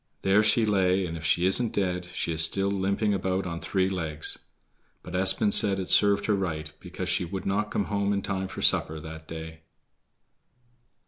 There she lay, and if she isn't dead she is still limping about on three legs. But Espen said it served her right, because she would not come home in time for supper that day.